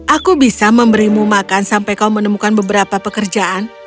aku bisa memberimu makan sampai kau mau makan